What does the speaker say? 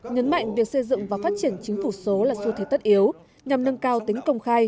nhấn mạnh việc xây dựng và phát triển chính phủ số là xu thế tất yếu nhằm nâng cao tính công khai